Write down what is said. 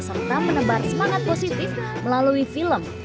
serta menebar semangat positif melalui film